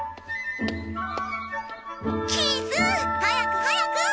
キース早く早く！